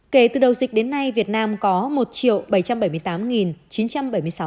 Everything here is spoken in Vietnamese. kể từ đầu dịch đến nay việt nam có một ca